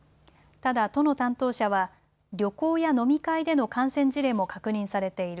ただ都の担当者は旅行や飲み会での感染事例も確認されている。